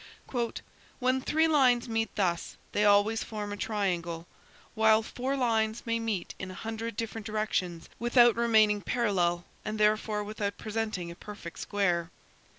"When three lines meet thus, they always form a triangle, while four lines may meet in a hundred different directions without remaining parallel and therefore without presenting a perfect square.